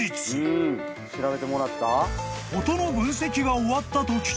［音の分析が終わったと聞き］